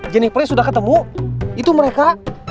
jenipernya sudah ketemu itu mereka